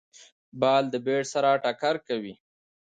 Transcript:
بال د بېټ سره ټکر کوي.